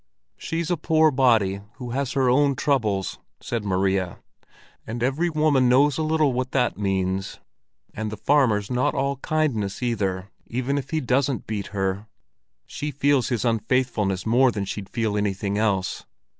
"She's a poor body, who has her own troubles," said Maria, "and every woman knows a little what that means. And the farmer's not all kindness either, even if he doesn't beat her. She feels his unfaithfulness more than she'd feel anything else."